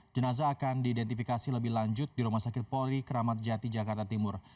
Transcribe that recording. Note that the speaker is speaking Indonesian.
jenazah akan diidentifikasi lebih lanjut di rumah sakit polri keramat jati jakarta timur